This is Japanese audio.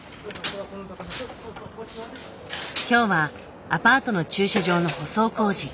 今日はアパートの駐車場の舗装工事。